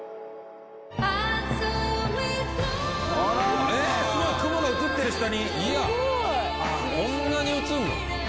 あらすごい雲が映ってる下にいやこんなに映んの？